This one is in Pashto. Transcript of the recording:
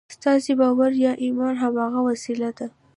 ستاسې باور یا ایمان هماغه وسیله ده